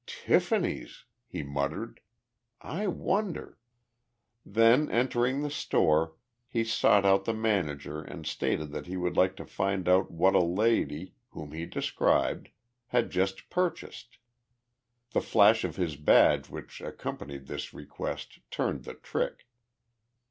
"Tiffany's " he muttered. "I wonder " Then, entering the store, he sought out the manager and stated that he would like to find out what a lady, whom he described, had just purchased. The flash of his badge which accompanied this request turned the trick.